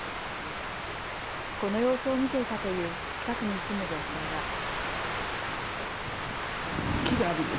この様子を見ていたという近くに住む女性は。